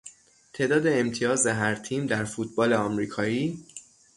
تعداد امتیاز هر تیم در فوتبال آمریکایی